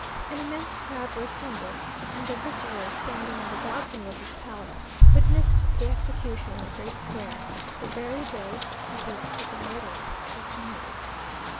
An immense crowd were assembled; and the viceroy, standing on the balcony of his palace, witnessed the execution in the great square, the very day week that the murders were committed.